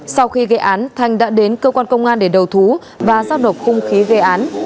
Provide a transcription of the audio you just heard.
sau khi gây án thanh đã đến cơ quan công an để đầu thú và giao nộp hung khí gây án